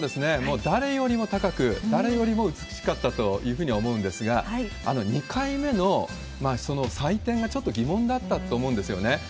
もう誰よりも高く、誰よりも美しかったというふうに思うんですが、２回目の採点がちょっと疑問だったと思うんですよね。